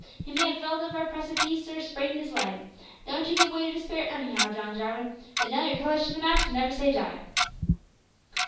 He may have felled over a precepiece or sprain'd his leg. Don't you give way to despair anyhow, John Jarwin, but nail yer colours to the mast, and never say die."